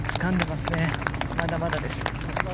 まだまだです。